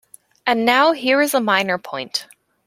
And now here is a minor point.